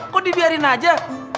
kok dibiarin aja